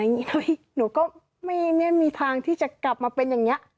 อย่างงี้หนูก็ไม่เนี้ยมีทางที่จะกลับมาเป็นอย่างเงี้ย